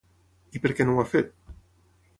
I per què no ho ha fet?